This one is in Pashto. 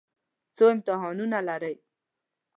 څو امتحانه لرئ؟